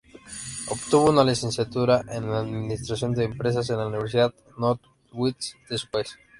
Obtuvo una licenciatura en administración de empresas en la Universidad North-West de su país.